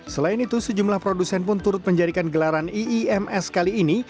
selain itu sejumlah produsen pun turut menjadikan gelaran iims kali ini